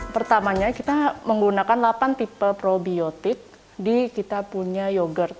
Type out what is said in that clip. pertamanya kita menggunakan delapan tipe probiotik di kita punya yogurt